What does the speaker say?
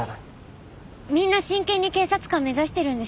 みんな真剣に警察官目指してるんですよ。